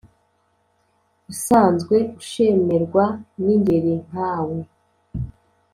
Usanzwe ushemerwa n'ingeri nkawe